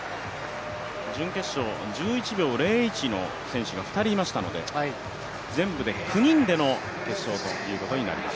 準決勝１１秒０１の選手が２人いましたので全部で９人での決勝ということになります。